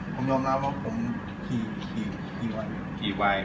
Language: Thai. ผมยอมรับว่าผมขี่ไว